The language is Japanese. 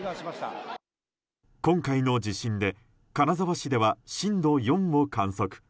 今回の地震で金沢市では震度４を観測。